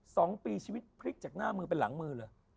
สองปีชีวิตพลิกจากหน้ามือเป็นหลังมือเลย